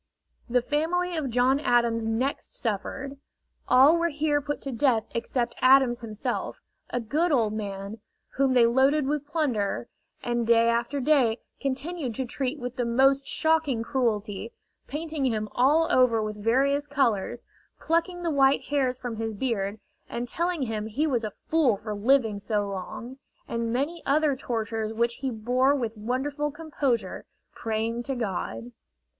The family of John Adams next suffered. All were here put to death except Adams himself, a good old man, whom they loaded with plunder, and day after day continued to treat with the most shocking cruelty, painting him all over with various colors, plucking the white hairs from his beard, and telling him he was a fool for living so long, and many other tortures which he bore with wonderful composure, praying to God.